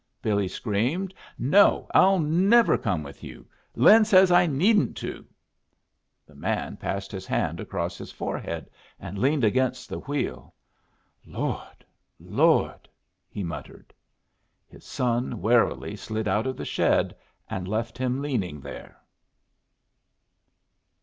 Billy screamed. "No, I'll never come with you. Lin says I needn't to." The man passed his hand across his forehead, and leaned against the wheel. "Lord, Lord!" he muttered. His son warily slid out of the shed and left him leaning there.